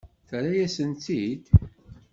Terra-yasent-t-id?